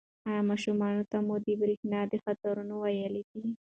ایا ماشومانو ته مو د برېښنا د خطرونو ویلي دي؟